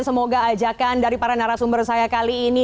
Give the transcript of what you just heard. semoga ajakan dari para narasumber saya kali ini